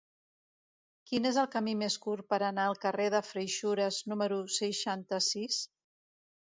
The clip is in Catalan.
Quin és el camí més curt per anar al carrer de Freixures número seixanta-sis?